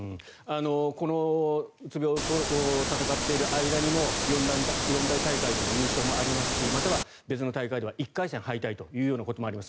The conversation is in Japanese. このうつ病と闘っている間にも四大大会での優勝もありますしまたは別の大会では１回戦敗退ということもあります。